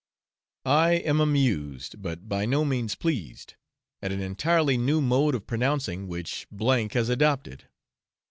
I am amused, but by no means pleased, at an entirely new mode of pronouncing which S has adopted.